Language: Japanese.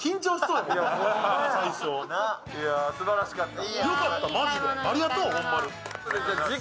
すばらしかった。